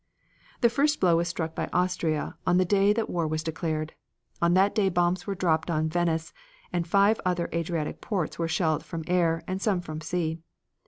The first blow was struck by Austria on the day that war was declared. On that day bombs were dropped on Venice, and five other Adriatic ports were shelled from air, and some from sea.